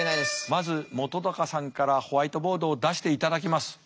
まず本さんからホワイトボードを出していただきます。